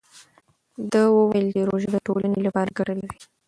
ده وویل چې روژه د ټولنې لپاره ګټه لري.